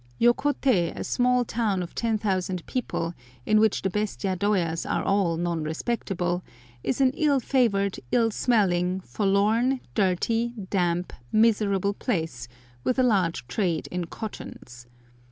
Yokote, a town of 10,000 people, in which the best yadoyas are all non respectable, is an ill favoured, ill smelling, forlorn, dirty, damp, miserable place, with a large trade in cottons.